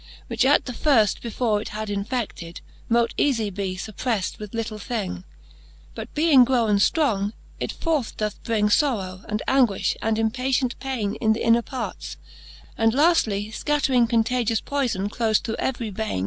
Which at the firft, before it had infeded. Mote eafie be fuppreft with little thing : But being growen ftrong, it forth doth bring Sorrow, and anguifh, and impatient paine In th' inner parts, and laftly fcattering Contagious poyfon clofe through every vaine.